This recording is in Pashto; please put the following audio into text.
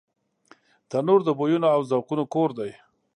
تنور د بویونو او ذوقونو کور دی